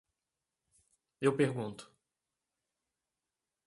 Eu pergunto.